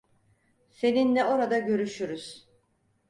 Seninle orada görüşürüz.